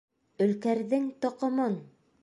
Өлкәрҙең тоҡомон!